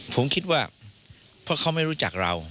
ผมคิดว่าเพราะเขาไม่รู้จักเรา